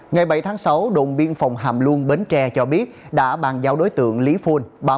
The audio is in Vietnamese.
ngày bảy tháng sáu đồn biên phòng hàm luông bến tre cho biết đã bàn giao đối tượng lý phun